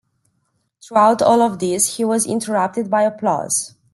Throughout all of this, he was interrupted by applause.